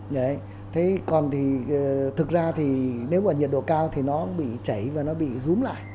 đấy còn thì thực ra thì nếu mà nhiệt độ cao thì nó bị chảy và nó bị rúm lại